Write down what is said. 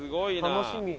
楽しみ。